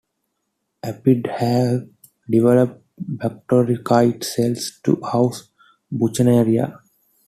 Aphids have developed bacteriocyte cells to house "Buchnera".